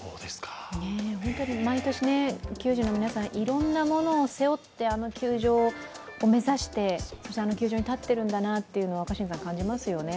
毎年、球児の皆さん、いろんなものを背負ってあの球場を目指して、あの球場に立っているんだなというのを感じますよね。